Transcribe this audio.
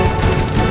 ya pak siang kemeah